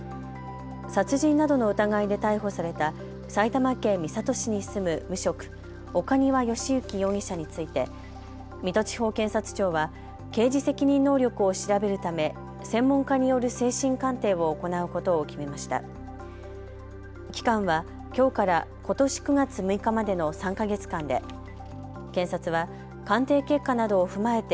殺人などの疑いで逮捕された埼玉県三郷市に住む無職、岡庭由征容疑者について水戸地方検察庁は刑事責任能力を調べるため専門家による精神鑑定を行うことを決めました。